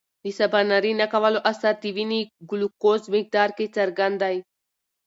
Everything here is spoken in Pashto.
د سباناري نه کولو اثر د وینې ګلوکوز مقدار کې څرګند دی.